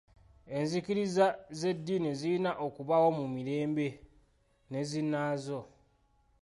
Enzikiriza z'edddiini zirina okubaawo mu mirembe ne zinaazo.